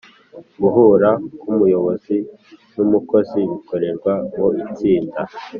Guhura k umuyobozi n umukozi bikorerwa mu itsinda